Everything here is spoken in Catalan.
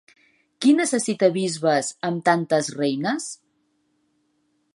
Qui necessita bisbes amb tantes reines?